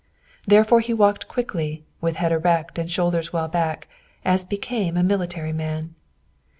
Therefore he walked quickly, with head erect and shoulders well back, as became a military man.